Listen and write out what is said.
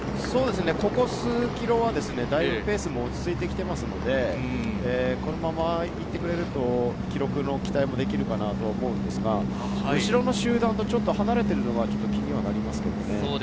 ここ数キロはだいぶペースも落ち着いてきていますので、このまま行ってくれると記録の期待もできるかなと思うんですが、後ろの集団とちょっと離れているのが気にはなりますけどね。